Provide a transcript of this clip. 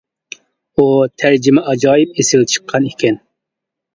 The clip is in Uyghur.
ئۇ تەرجىمە ئاجايىپ ئېسىل چىققان ئىكەن.